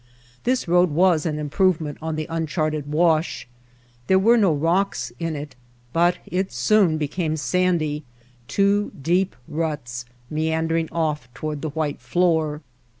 This road was an improvement on the uncharted wash. There were no rocks in it; but it soon became sandy, two deep ruts meandering of¥ toward the white floor.